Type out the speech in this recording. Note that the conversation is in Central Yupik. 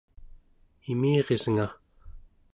imirisnga!